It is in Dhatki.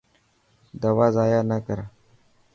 دوا زايا نا ڪر.